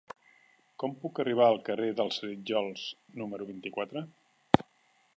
Com puc arribar al carrer dels Arítjols número vint-i-quatre?